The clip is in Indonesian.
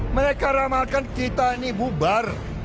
mereka ramalkan kita ini bubar